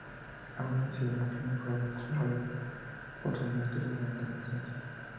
Aun así, el aprendiz fue atrapado por su maestro durante el descenso.